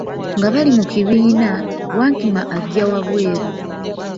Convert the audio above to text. Nga bali mu kibiina, wankima agya wa bweru.